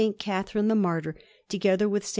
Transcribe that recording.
Catherine the Martyr, together with a S.